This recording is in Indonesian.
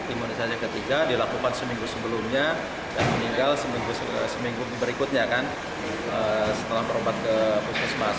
imunisasi ketiga dilakukan seminggu sebelumnya dan meninggal seminggu berikutnya kan setelah berobat ke puskesmas